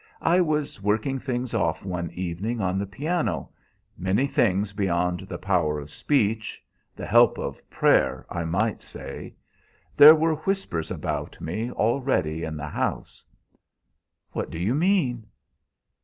I was working things off one evening on the piano many things beyond the power of speech the help of prayer, I might say. There were whispers about me already in the house." "What do you mean?"